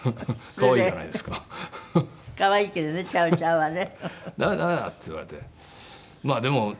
可愛いけどねチャウチャウはね。